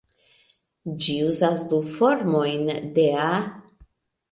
Ĝi uzas du formojn de "a".